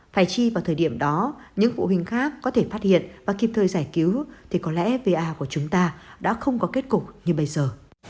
phải chi vào thời điểm đó những phụ huynh khác có thể phát hiện và kịp thời giải cứu thì có lẽ va của chúng ta đã không có kết cục như bây giờ